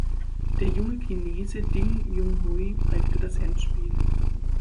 Der junge Chinese Ding Junhui prägte das Endspiel.